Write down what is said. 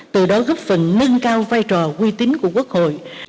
từ đó góp phần nâng cao vai trò quy tính của quốc hội